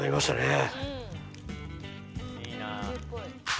「いいなあ」